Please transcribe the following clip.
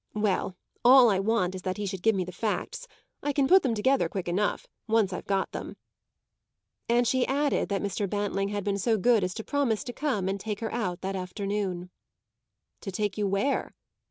Well, all I want is that he should give me the facts; I can put them together quick enough, once I've got them." And she added that Mr. Bantling had been so good as to promise to come and take her out that afternoon. "To take you where?"